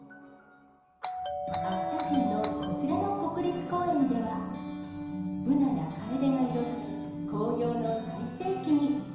秋田県のこちらの国立公園では、ブナやカエデが色づき、紅葉の最盛期に。